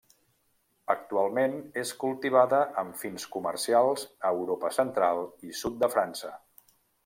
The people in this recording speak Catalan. Actualment és cultivada amb fins comercials a Europa Central i sud de França.